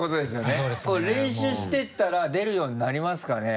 練習していったら出るようになりますかね？